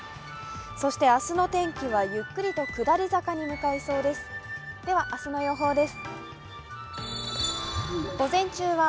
そして明日の天気はゆっくりと下り坂に向かいそうです。